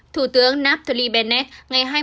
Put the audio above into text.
thủ tướng naftali bennett ngày hai mươi